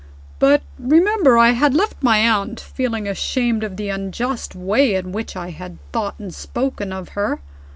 "But, remember, I had left my aunt, feeling ashamed of the unjust way in which I had thought and spoken of her.